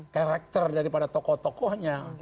karakter daripada tokoh tokohnya